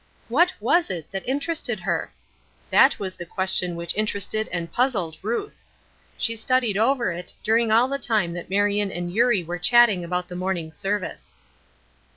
What was it that interested her? That was the question which interested and puzzled Ruth. She studied over it during all the time that Marion and Eurie were chatting about the morning service.